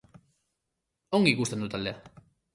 Ongi ikusten dut taldea.